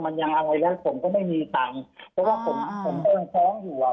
มันยังอะไรแล้วผมก็ไม่มีตังค์เพราะว่าผมผมก็ยังท้องอยู่อ่ะ